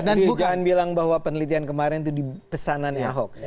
jadi jangan bilang bahwa penelitian kemarin itu di pesanan ahok